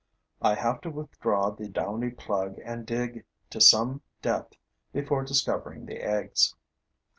I have to withdraw the downy plug and dig to some depth before discovering the eggs.